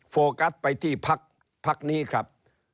โฟกัสไปที่พักนี้ครับ